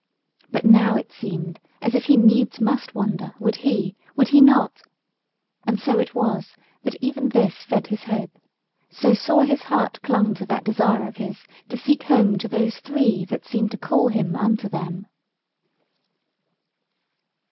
But now it seemed as if he needs must wander, would he, would he not; and so it was that even this fed his hope; so sore his heart clung to that desire of his to seek home to those three that seemed to call him unto them.